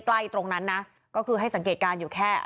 ใกล้ตรงนั้นนะ